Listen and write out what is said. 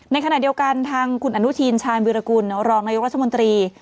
ในขณะเดียวกันทางคุณอันนูธีนชาญบริกุลรองจ์นายกรรมรัฐมนตรี